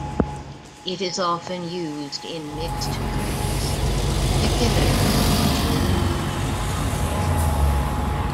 It is often used in mixed drinks, particularly in gin and tonic.